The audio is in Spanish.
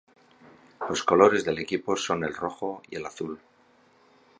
Los colores del equipo son el rojo y el azul.